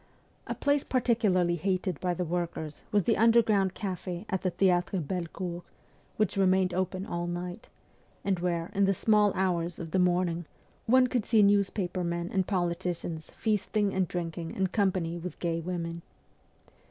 A place particularly hated by the workers was the underground cafe at the Theatre Bellecour, which remained open all night, and where, in the small hours of the morning, one could see newspaper men and politicians feasting and drinking in company with gay women.